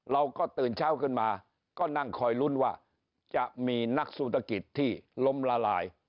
เราก็ตื่นเช้าขึ้นมาก็นั่งคอยลุ้นว่าจะมีนักธุรกิจที่ล้มละลาย